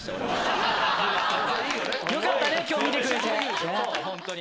よかったね今日見てくれて。